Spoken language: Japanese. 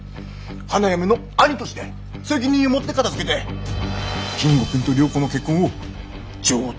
花嫁の兄として責任を持って片づけて金吾君と良子の結婚を上等に進めます。